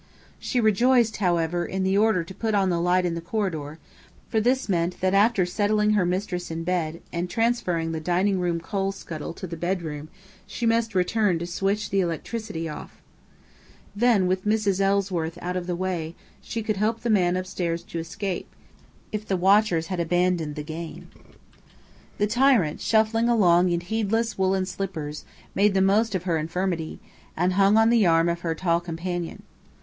She rejoiced, however, in the order to put on the light in the corridor, for this meant that after settling her mistress in bed and transferring the dining room coal scuttle to the bedroom she must return to switch the electricity off. Then, with Mrs. Ellsworth out of the way, she could help the man upstairs to escape, if the watchers had abandoned the game. The tyrant, shuffling along in heelless woollen slippers, made the most of her infirmity, and hung on the arm of her tall companion.